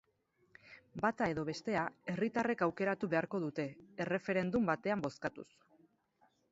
Bata edo bestea, herritarrek aukeratu beharko dute, erreferendum batean bozkatuz.